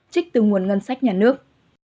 trích từ nguồn ngân sách nhà nước